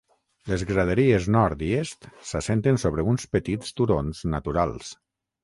Les graderies nord i est s'assenten sobre uns petits turons naturals.